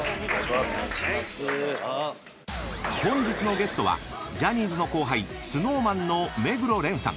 ［本日のゲストはジャニーズの後輩ＳｎｏｗＭａｎの目黒蓮さん］